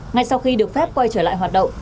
ngay sau khi được phép quay trở lại hoạt động